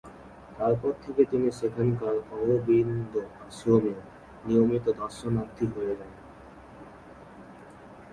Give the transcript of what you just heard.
তারপর থেকে তিনি সেখানকার অরবিন্দ আশ্রমের নিয়মিত দর্শনার্থী হয়ে যান।